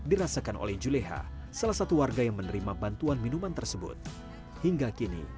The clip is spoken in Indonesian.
dirasakan oleh juleha salah satu warga yang menerima bantuan minuman tersebut hingga kini